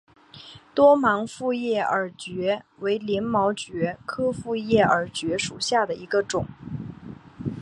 多芒复叶耳蕨为鳞毛蕨科复叶耳蕨属下的一个种。